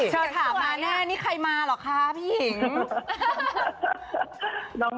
เธอถามมาแน่นี่ใครมาเหรอคะพี่หญิง